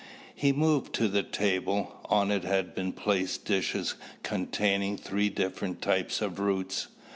He moved to the table. On it had been placed dishes containing three different types of roots.